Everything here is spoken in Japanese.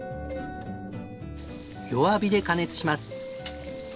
弱火で加熱します。